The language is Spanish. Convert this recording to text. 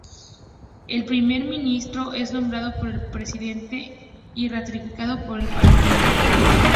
El Primer Ministro es nombrado por el Presidente y ratificado por el Parlamento.